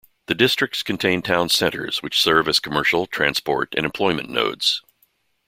The districts contain town centres which serve as commercial, transport and employment nodes.